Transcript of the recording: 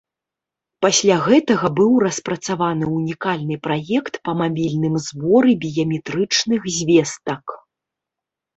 Пасля гэтага быў распрацаваны ўнікальны праект па мабільным зборы біяметрычных звестак.